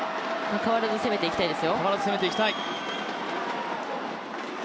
変わらず攻めていきたいです。